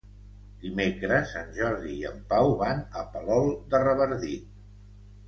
Dimecres en Jordi i en Pau van a Palol de Revardit.